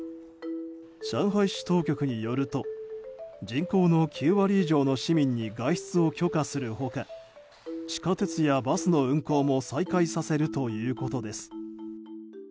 上海市当局によると人口の９割以上の市民に外出を許可する他地下鉄やバスの運行も再開させるということです。